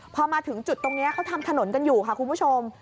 พอมาถึงจุดตรงนี้เขาทำถนนกันอยู่ค่ะคุณผู้ชม